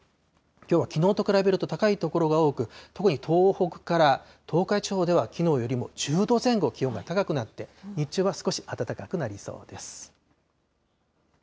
きょうはきのうと比べると高い所が多く、特に東北から東海地方では、きのうよりも１０度前後気温が高くなって、日中は少し暖かくなりそうです。